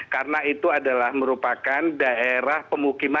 karena itu adalah merupakan daerah pemukiman